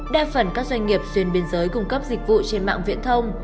đa phần các doanh nghiệp xuyên biên giới cung cấp dịch vụ trên mạng viễn thông